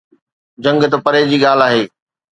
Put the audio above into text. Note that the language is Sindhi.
جنگ ته پري جي ڳالهه آهي.